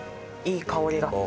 いい香りが。